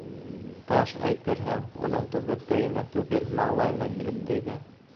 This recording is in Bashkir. Таш, әйтерһең, уның түбәтәйенә түгел, маңлайына килеп тейҙе.